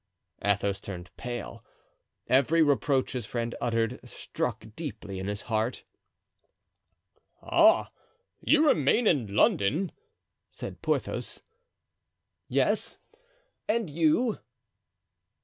Athos turned pale. Every reproach his friend uttered struck deeply in his heart. "Ah! you remain in London?" said Porthos. "Yes. And you?"